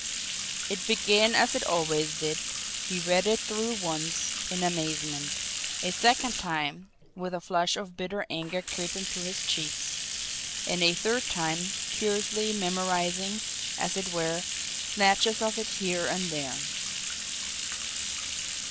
It began as it always did. He read it through once, in amazement; a second time, with a flush of bitter anger creeping to his cheeks; and a third time, curiously memorising, as it were, snatches of it here and there.